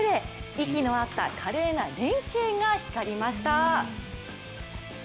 息の合った華麗な連携が光りました。